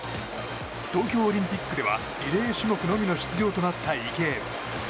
東京オリンピックではリレー種目のみの出場となった池江。